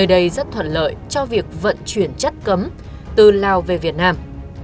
nơi đây rất thuận lợi cho việc vận chuyển chất cấm từ lào về việt nam